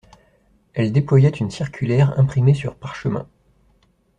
Elle déployait une circulaire imprimée sur parchemin.